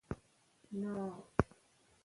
داسلامې حكومت دپيژندني لپاره به دابهتره وي